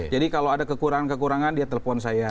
jadi kalau ada kekurangan kekurangan dia telepon saya